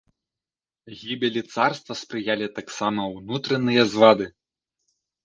Гібелі царства спрыялі таксама ўнутраныя звады.